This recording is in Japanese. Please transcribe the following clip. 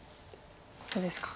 ここですか。